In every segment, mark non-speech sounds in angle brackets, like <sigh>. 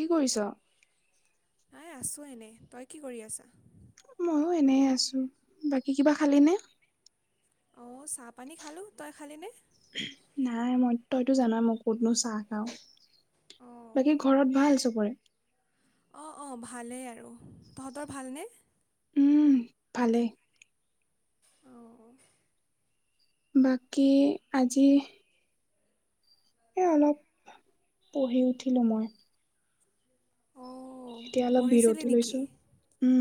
কি কৰিছ? নাই আছো এনেই, তই কি কৰি আছা? মইয়ো এনেই আছো। বাকী কিবা খালিনে? অঁ', চাহপানী খালোঁ, তই খালিনে? নাই মই, তইতো জানা মই ক'তনো চাহ খাও। অঁ বাকী ঘৰত ভাল চবৰে? অঁ', অঁ', ভালেই আৰু, তহঁতৰ ভালনে? উম, ভালেই। অ', অ'। বাকী আজি - এ অলপ পঢ়ি উঠিলো মই। অঁ এতিয়া অলপ পঢ়িছিলি বিৰতি নেকি লৈছো। উম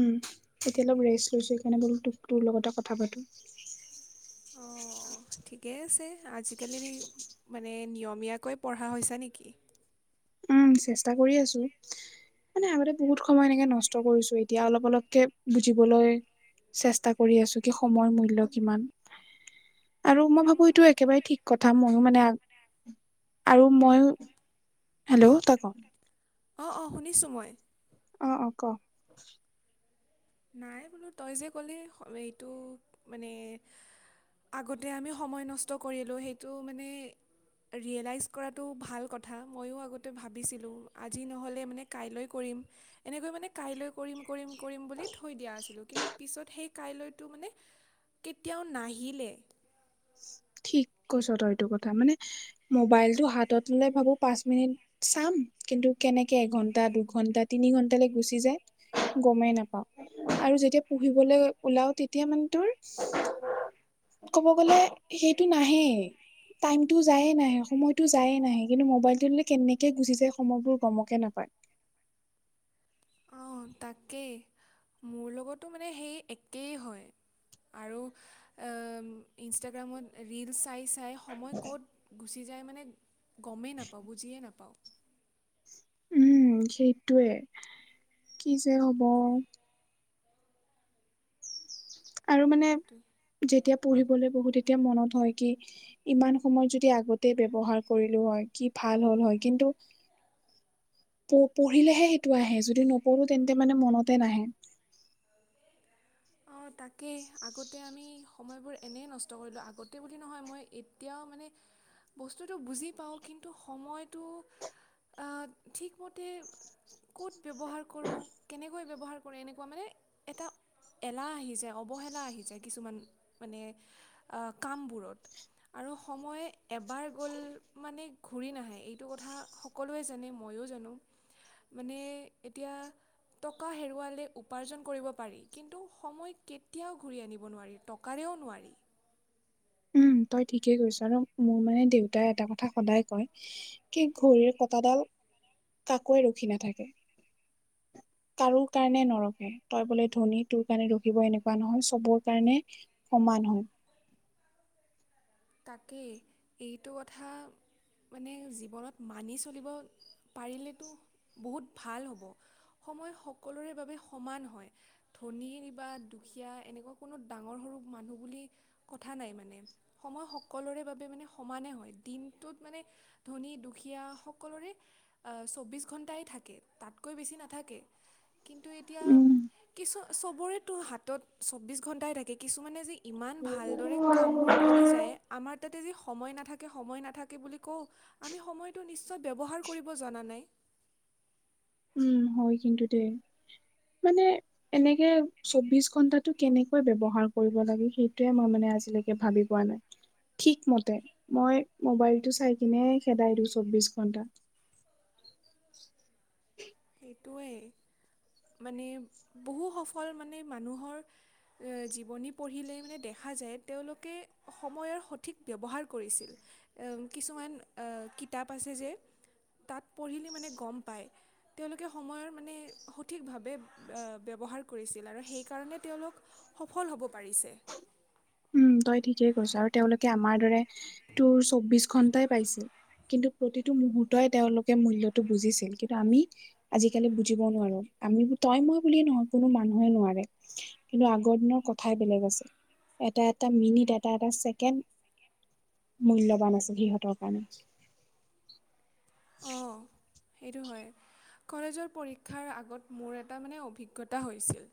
এতিয়া অলপ ৰেষ্ট লৈছো সেইকাৰণে বোলো তোক তোৰ লগতে কথা পাতো। <unintelligible> ঠিকে আছে আজিকালি মানে নিয়মীয়াকৈ পঢ়া হৈছে নেকি। উম চেষ্টা কৰি আছো। মানে আগতে বহুত সময় এনেকে নষ্ট কৰিছো এতিয়া অলপ অলপকে বুজিবলৈ চেষ্টা কৰি আছো কি সময়ৰ মূল্য কিমান। আৰু মই ভাবো এইটো একেবাৰে ঠিক কথা ময়ো মানে আৰু মইয়ো হেল্ল' তই ক অহ, অহ শুনিছোঁ মই। অহ', অহ', ক। নাই বোলো তই যে ক'লে এইটো মানে আগতে আমি সময় নষ্ট কৰিলোঁ সেইটো মানে ৰিয়েলাইজ কৰাটো ভাল কথা ময়ো আগতে ভাবিছিলোঁ আজি নহ'লে মানে কাইলৈ কৰিম। এনেকৈ মানে কাইলৈ কৰিম কৰিম কৰিম বুলি থৈ দিয়া আছিলোঁ কিন্তু পিছত সেই কাইলৈটো মানে কেতিয়াও নাহিলে। ঠিক কৈছ তই এইটো কথা মানে মোবাইলত হাতত ললে ভাবো পাঁচ মিনিট চাম কিন্তু কেনেকে এঘন্টা দুঘন্টা তিনি ঘন্টাকে গুচি যায়। গমেই নাপাওঁ। আৰু যেতিয়া পঢ়িবলৈ ওলাও তেতিয়া মানে তোৰ ক'ব গ'লে সেইটো নাহেই। টাইমতটো যায় নাই সময়তটো যায় নাই কিন্তু মোবাইলটো কেনেকে গুচি যায় সময়বোৰ গমকে নাপায়। অঁহ', তাকেই মোৰ লগতো মানে সেই একেই হয়। আৰু অঁহ ইনষ্টাগ্ৰামত ৰীলচ চাই চাই স সময় ক'ত গুচি যায় মানে গমেই নাপাওঁ বুজিয়ে নাপাওঁ উম সেইটোৱে কি যে হব আৰু মানে এইটোৱে যেতিয়া পঢ়িবলৈ বহু তেতিয়া মনত হয় কি ইমান সময় যদি আগতে ব্যৱহাৰ কৰিলো হয় কি ভাল হ'ল হয় কিন্তু প পঢ়িলেহে সেইটো আহে যদি নপঢ়ো তেন্তে মানে মনতে নাহে অহ তাকেই আগতে আমি সময়বোৰ এনেই নষ্ট কৰিলোঁ আগতে বুলি নহয় মই এতিয়াও মানে বস্তুটো বুজি পাওঁ কিন্তু সময়টো অঁহ ঠিক মতে ক'ত ব্যৱহাৰ কৰোঁ কেনেকৈ ব্যৱহাৰ কৰোঁ এনেকুৱা মানে এটা এলাহ আহি যায় অৱহেলা আহি যায় কিছুমান মানে অঁহ কামবোৰত আৰু সময় এবাৰ গ'ল মানে ঘূৰি নাহে এইটো কথা স সকলোৱে জানে ময়ো জানো মানে এতিয়া টকা হেৰুৱালে উপাৰ্জন কৰিব পাৰি কিন্তু সময় কেতিয়াও ঘূৰি আনিব নোৱাৰি টকাৰেও নোৱাৰি উম তই ঠিকেই কৈছ ন‌ মোৰ মানে দেউতাই এটা কথা সদায় কয় কি ঘড়ীৰ কটাডাল কাকোৱে ৰখি নাথাকে কাৰো কাৰণে নৰখে তই বোলে ধনী তোৰ কাৰণে ৰখিব এনেকুৱা নহয় চবৰ কাৰণে সমান হয় তাকেই এইটো কথা মানে জীৱনত মানি চলিব পাৰিলেতো বহুত ভাল হ'ব সময় সকলোৰে বাবে সমান হয় ধনীৰ বা দুখীয়া এনেকুৱা কোনো ডাঙৰ সৰু মানুহ বুলি কথা নাই মানে। সময় সকলোৰে বাবে মানে সমানে হয়, দিনটোত মানে ধনী দুখীয়া সকলোৰে চৌব্বিছ ঘণ্টাই থাকে, তাতকৈ বেছি নাথাকে। কিন্তু এতিয়া উম কিছু চবৰেতো হাতত চৌব্বিছ ঘণ্টাই থাকে কিছুমানে যে ইমান ভালদৰে কামবোৰ কৰি আমাৰ তাতে যে সময় নাথাকে সময় নাথাকে বুলি কওঁ আমি সময়টো নিশ্চয় ব্যৱহাৰ কৰিব জনা নাই। উম হয় কিন্তু দেই, মানে এনেকে চৌবিশ ঘন্টাটো কেনেকৈ ব্যৱহাৰ কৰিব লাগে সেইটোয়ে মই মানে আজিলৈকে ভাবি পোৱা নাই। ঠিকমতে মই মোবাইলটো চাই কিনে খেদাই দিওঁ চৌবিশ ঘন্টা <inaudible> সেইটোৱে মানে বহু সফল মানে মানুহৰ জীৱনী পঢ়িলে মানে দেখা যায় তেওঁলোকে সময়ৰ সঠিক ব্যৱহাৰ কৰিছিল। কিছুমান কিতাপ আছে যে, তাত পঢ়িলে মানে গম পায়। তেওঁলোকে সময়ৰ মানে সঠিকভাৱে ব্যৱহাৰ কৰিছিল আৰু সেইকাৰণে তেওঁলোক সফল হ'ব পাৰিছে। উম, তই ঠিকেই কৈছ আৰু তেওঁলোকে আমাৰ দৰে তোৰ চৌবিশ ঘন্টাই পাইছিল। কিন্তু প্ৰতিটো মুহুৰ্তই তেওঁলোকে মূল্যটো বুজিছিল কিন্তু আমি আজিকালি বুজিব নোৱাৰো আমি তই মই বুলিয়ে নহয় কোনো মানুহে নোৱাৰে। কিন্তু আগৰ দিনৰ কথাই বেলেগ আছিল। এটা এটা মিনিট এটা এটা ছেকেণ্ড মূল্যৱান আছে, সিহঁতৰ কাৰণে অৱ সেইটো হয়। কলেজৰ পৰীক্ষাৰ আগত মোৰ এটা মানে অভিজ্ঞতা হৈছিল।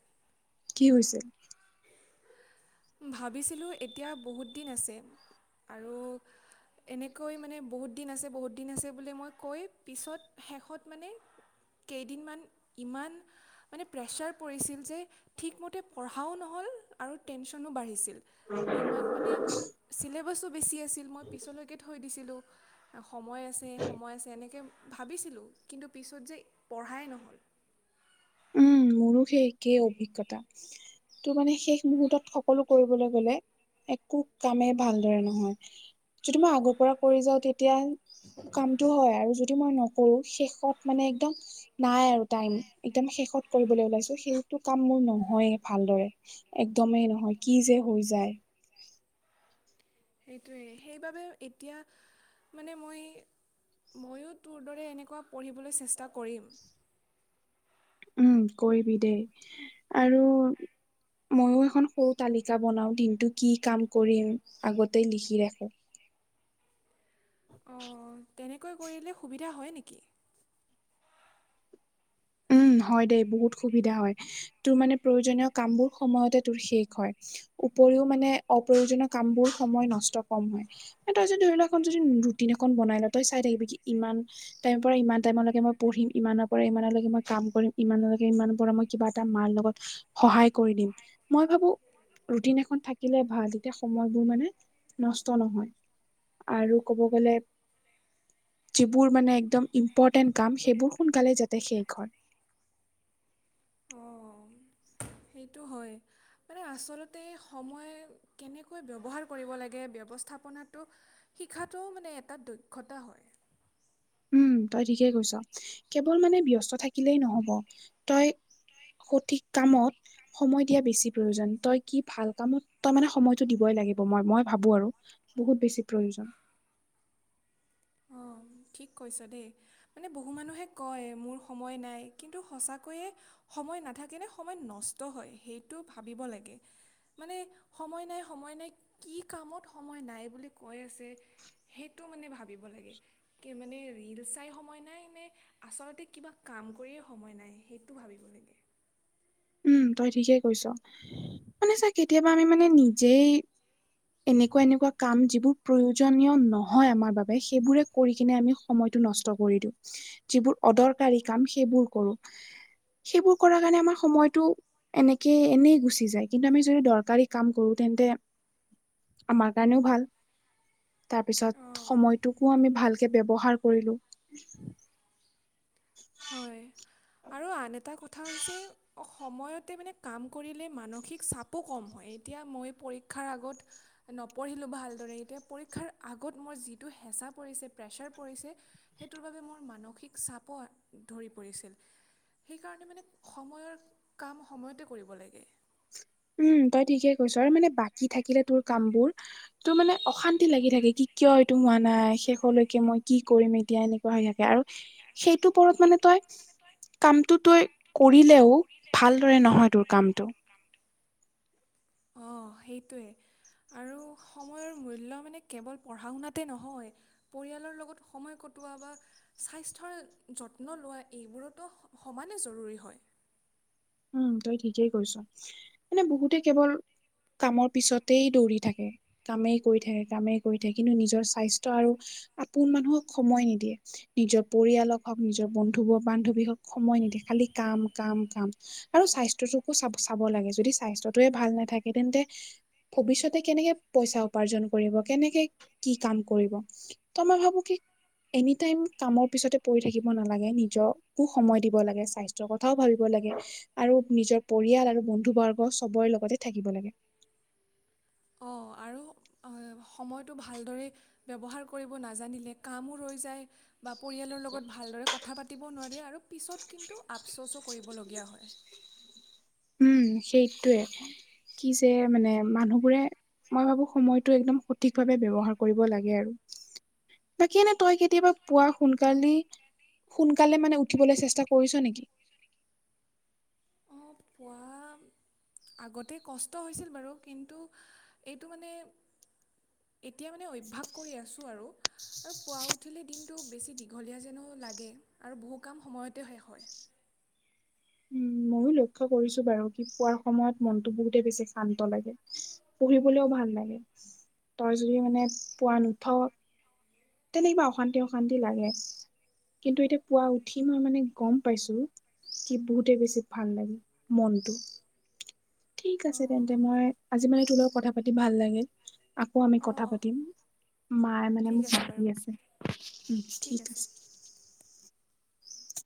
কি হৈছে। <inaudible> ভাবিছিলো এতিয়া বহুত দিন আছে আৰু এনেকৈ মানে বহুত দিন আছে বহুত দিন আছে বুলি মই কৈ পিছত শেষত মানে কেইদিনমান ইমান মানে প্ৰেছাৰ পৰিছিল যে ঠিকমতে পঢ়া পঢ়াও নহ'ল আৰু টেনচনো বাঢ়িছিল ইমান মানে ছিলেবাছো বেছি আছিল মই পিছলৈকে থৈ দিছিলোঁ সময় আছে, সময় আছে, এনেকে ভাবিছিলো কিন্তু পিছত যে পঢ়াই নহ'ল। উম মোৰো সেই একেই অভিজ্ঞতা। টো মানে শেষ মুহুৰ্তত সকলো কৰিবলৈ গ'লে একো কামেই ভালদৰে নহয়। যদি মই আগৰ পৰা কৰি যাওঁ তেতিয়া কামটো হয় আৰু যদি মই নকৰো শেষত মানে একদম নাই আৰু টাইম। একদম শেষত কৰিবলৈ ওলাইছো সেইটো কাম মোৰ নহয়ে ভালদৰে। একদমেই নহয় কি যে হৈ যায়। সেইটোৱেই সেইবাবে, এতিয়া মানে মই ময়ো তোৰ দৰে এনেকুৱা পঢ়িবলৈ চেষ্টা কৰিম। উম কৰিবি দেই আৰু ময়ও এখন সৰু তালিকা বনাও দিনটো কি কাম কৰিম আগতে লিখি ৰাখোঁ। অৱ তেনেকৈ কৰিলে সুবিধা হয় নেকি? উম হয় দেই বহুত সুবিধা হয়। তোৰ মানে প্ৰয়োজনীয় কাম বোৰ সময়তে তোৰ শেষ হয়। উপৰিও মানে অপ্ৰয়োজনীয় কাম বোৰ, সময় নষ্ট কম হয়। তাই যদি ধৰি লোৱা এখন যদি ৰুটিন এখন বনাই ল, তই চাই থাকিবি কি ইমান টাইম পৰা ইমান টাইমলৈকে মই পঢ়িম, ইমানৰ পৰা ইমানলৈকে মই কাম কৰিম ইমানলৈকে ইমান পৰা মই কিবা এটা মাৰ লগত, সহায় কৰি দিম মই ভাবো ৰুটিন এখন থাকিলে ভাল, তেতিয়া সময়বোৰ মানে নষ্ট নহয়। আৰু ক'ব গ'লে। যিবোৰ মানে একদম ইম্পৰ্টেণ্ট কাম, সেইবোৰ সোনকালেই যাতে সেইখন হয়। অঁ সেইটো হয়। মানে আচলতে সময় কেনেকৈ ব্যৱহাৰ কৰিব লাগে ব্যৱস্থাপনাটো শিকাটোও মানে এটা দক্ষতা হয়। উম, তই ঠিকেই কৈছ, কেৱল মানে ব্যস্ত থাকিলেই নহ'ব তই সঠিক কামত সময় দিয়া বেছি প্ৰয়োজন, তই কি ভাল কামত তই মানে সময়তটো দিবই লাগিব মই-মই ভাবো আৰু। বহুত বেছি প্ৰয়োজন। অঁ ঠিক কৈছ দেই মানে বহু মানুহে কয় মোৰ সময় নাই কিন্তু সঁচাকৈয়ে সময় নাথাকে নে, সময় নষ্ট হয় সেইটো ভাবিব লাগে। মানে সময় নাই, সময় নাই, কি কামত সময় নাই বুলি কৈ আছে? সেইটো মানে ভাবিব লাগে, কি মানে ৰিল চাই সময় নাই নে আচলতে কিবা কাম কৰিয়ে সময় নাই, সেইটো ভাবিব লাগে। উম, তই ঠিকেই কৈছ, মানে চাৰ কেতিয়াবা আমি মানে নিজেই এনেকুৱা-এনেকুৱা কাম যিবোৰ। প্ৰয়োজনীয় নহয় আমাৰ বাবে সেইবোৰে কৰি কিনে আমি সময় নষ্ট কৰি দিওঁ। যিবোৰ অদৰকাৰী কাম সেইবোৰ কৰো, সেইবোৰ কৰাৰ কাৰণে আমাৰ সময়ত টো, এনেকে এনেই গুচি যায় কিন্তু আমি যদি দৰকাৰী কাম কৰো তেন্তে আমাৰ কাৰণেও ভাল, তাৰপিছত অঁ সময়টোকো আমি ভালকে ব্যৱহাৰ কৰিলোঁ। উ <unintelligible> <inaudible> হয় আৰু আন এটা কথা হৈছে সময়তে মানে কাম কৰিলে মানসিক চাপো কম হয়, এতিয়া মই পৰীক্ষাৰ আগত নপঢ়িলোঁ ভালদৰে এতিয়া পৰীক্ষাৰ আগত মোৰ যিটো হেঁচা পৰিছে প্ৰেছাৰ পৰিছে সেইটোৰ বাবে মোৰ মানসিক চাপৰ ধৰি পৰিছিল, সেইকাৰণে মানে সময়ৰ কাম সময়তে কৰিব লাগে। উম, তই ঠিকে কৈছ আৰু মানে বাকী থাকিলে তোৰ কাম বোৰ টো মানে অশান্তি লাগি থাকে কি কিয় এইটো হোৱা নাই শেষলৈকে মই কি কৰিম এতিয়া এনে হৈ থাকে আৰু সেইটো পৰত মানে তই কামটো তই কৰিলেও ভালদৰে নহয় তোৰ কামটো। অ, সেইটোৱে আৰু সময়ৰ মূল্য মানে কেৱল পঢ়া শুনাতে নহয়। পৰিয়ালৰ লগত সময় কটোৱা বা স্বাস্থ্যৰ যত্ন লোৱা এইবোৰতো সমানে জৰুৰী হয়। উম, তই ঠিকেই কৈছ, মানে বহুতে কেৱল কামৰ পিছত গোতেই দৌৰি থাকে কামেই কৰি থাকে কামেই কৰি থাকে কিন্তু নিজৰ স্বাস্থ্য আৰু আপোন মানুহক সময় নিদিয়ে নিজৰ পৰিয়ালক হ'ওক নিজৰ বন্ধু ব, বান্ধৱী হ'ওক। সময় নিদিয়ে খালি কাম, কাম, কাম, আৰু স্বাস্থ্যটোকো চাব চাব লাগে যদি স্বাস্থ্য টোৱে ভাল নাথাকে তেন্তে ভৱিষ্যতে কেনেকে পইচা উপাৰ্জন কৰিব কেনেকে কি কাম কৰিব ত মই ভাবো কি এনি টাইম কামৰ পিছতে পৰি থাকিব নালাগে নিজকো সময় দিব লাগে স্বাস্থ্যৰ কথাও ভাবিব লাগে আৰু নিজৰ পৰিয়াল আৰু বন্ধু বৰ্গ চবৰে লগতে থাকিব লাগে অঁ আৰু আ সময়টো ভালদৰে ব্যৱহাৰ কৰিব নাজানিলে কামো ৰৈ যায় বা পৰিয়ালৰ লগত ভালদৰে কথা পাতিব নোৱাৰি আৰু পিছত কিন্তু আফচ'চো কৰিবলগীয়া হয় উম সেইটোয়ে কি যে মানে মানুহবোৰে মই ভাবো সময়টো একদম সঠিক ভাৱে ব্যৱহাৰ কৰিব লাগে আৰু বাকী এনে তই কেতিয়াবা পোৱা সোনকালি সোনকালে মানে উঠিবলে চেষ্টা কৰিছ নেকি অঁ পোৱা আগতে কষ্ট হৈছিল বাৰু কিন্তু এইটো মানে এতিয়া মানে অভ্যাস কৰি আছোঁ আৰু আৰু পুৱা উঠিলে দিনটো বেছি দীঘলীয়া যেনো লাগে আৰু বহু কাম সময়তে শেষ হয়। উম ময়ো লক্ষ্য কৰিছো বাৰু কি পোৱাৰ সময়ত মনতটো বহুতে বেছি শান্ত লাগে পঢ়িবলেও ভাল লাগে তই যদি মানে পোৱা নুঠ তেনেকুৱা অশান্তি অশান্তি লাগে কিন্তু এতিয়া পুৱা উঠি মই মানে গম পাইছো কি বহুতে বেছি ভাল লাগে মনটো ঠিক আছে অঁ তেন্তে মই আজি মানে তোৰ লগত কথা পাতি ভাল লাগে আকৌ আমি অঁ কথা অঁ পাতিম মায়ে মানে ঠিক মোক ফাতি বাৰু আছে উম ঠিক আছে